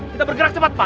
kita bergerak cepat pak